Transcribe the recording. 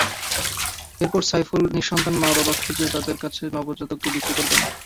এরপর সাইফুল নিঃসন্তান মা-বাবা খুঁজে তাঁদের কাছে নবজাতককে বিক্রি করে দেন।